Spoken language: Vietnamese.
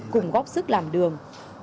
cùng góp sức làm đường